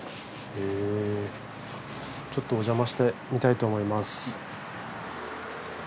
ちょっとおじゃましてみたいと思います。